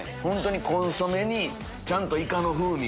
コンソメにちゃんとイカの風味が。